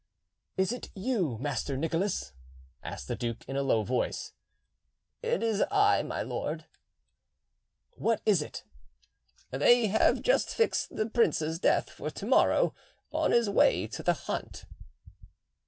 "Is it you, Master Nicholas?" asked the duke in a low voice. "It is I, my lord." "What is it?" "They have just fixed the prince's death for tomorrow, on his way to the hunt."